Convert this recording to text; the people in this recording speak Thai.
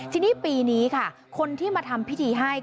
ทีนี้ปีนี้ค่ะคนที่มาทำพิธีให้